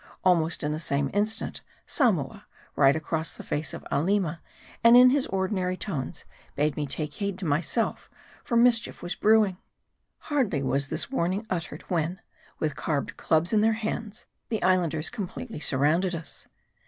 Almost in the same instant, Samoa, right across the face of Aleema, and in his ordinary tones, bade me take heed to myself, for mischief was brewing. Hardly was this warning uttered, when, with carved clubs in their hands, the Islanders com pletely surrounded us.